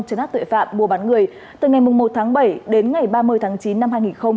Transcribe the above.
chấn áp tội phạm mua bán người từ ngày một tháng bảy đến ngày ba mươi tháng chín năm hai nghìn hai mươi ba